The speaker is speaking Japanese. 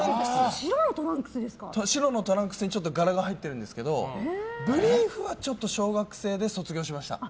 白のトランクスにちょっと柄が入ってるんですけどブリーフはちょっと小学生で卒業しました。